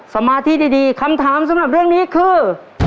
สมาธิดีคำถามสำหรับเรื่องนี้คือ